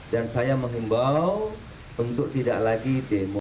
dan saya mengimbau untuk tidak lagi demo